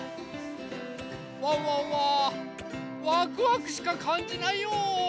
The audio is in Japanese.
ワンワンはワクワクしかかんじないよ。